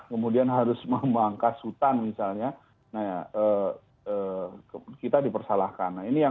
kemudian harus memangkas hutan misalnya kita dipersalahkan